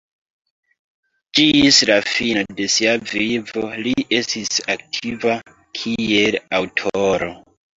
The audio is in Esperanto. Ĝis la fino de sia vivo, li estis aktiva kiel aŭtoro.